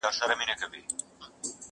نن جهاني په ستړو منډو رباتونه وهي.!